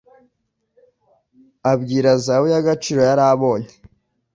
abwira zahabu-yagaciro yarabonye